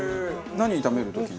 何炒める時に？